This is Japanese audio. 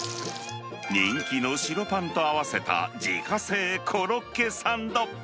人気の白パンと合わせた自家製コロッケサンド。